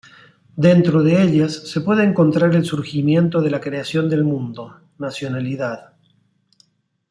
Dentro de ellas se puede encontrar el surgimiento de la creación del mundo, nacionalidad.